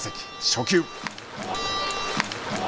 初球。